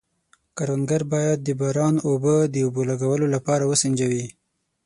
کروندګر باید د باران اوبه د اوبو لګولو لپاره وسنجوي.